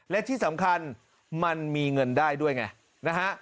และที่สำคัญมันมีเงินได้ด้วยไงนะฮะ